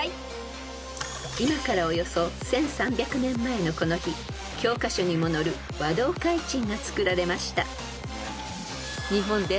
［今からおよそ１，３００年前のこの日教科書にも載る和同開珎がつくられました］